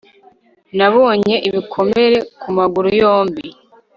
Nabonye ibikomere ku maguru yombi